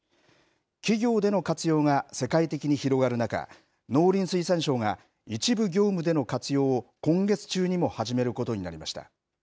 企業での活用が世界的に広がる中、農林水産省が一部業務での活用を今月中にも始めることになりました。